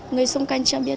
người xung quanh chưa biết